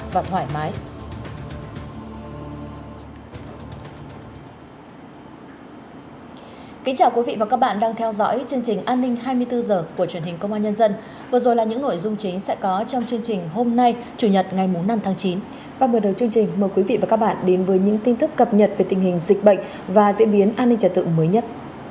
và bữa đầu chương trình mời quý vị và các bạn đến với những tin thức cập nhật về tình hình dịch bệnh và diễn biến an ninh trả tượng mới nhất